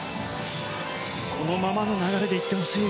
このままの流れで行ってほしい。